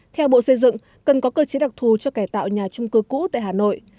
theo bộ xây dựng cần có cơ chế đặc thù cho cải tạo nhà trung cư cũ tại hà nội